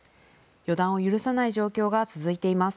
予断を許さない状況が続いています。